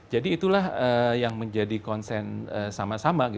jadi itulah yang menjadi konsen sama sama